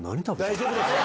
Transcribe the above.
大丈夫ですか？